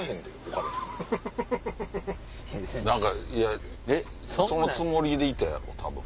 何かそのつもりでいたやろ多分。